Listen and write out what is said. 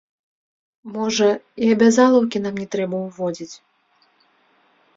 Можа, і абязалаўкі нам не трэба ўводзіць.